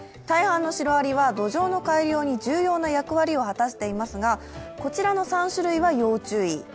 大半のシロアリは土壌の改良に重要な役割を果たしていますが、こちらの３種類は要注意。